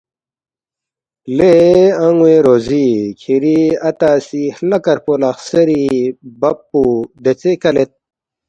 ”لے ان٘وے روزی کِھری اتا سی ہلہ کرفو لہ خسیری بب پو دیژے کلید